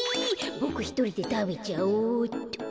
ボクひとりでたべちゃおうっと。